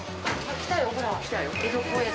来たよ、ほら。